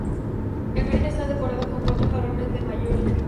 El jardín está decorado con cuatro jarrones de mayólica.